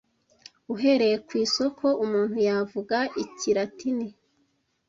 uhereye ku isoko umuntu yavuga ikilatini